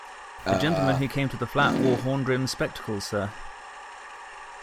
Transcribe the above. The gentleman who came to the flat wore horn-rimmed spectacles, sir.